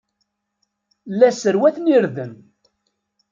La sserwaten irden.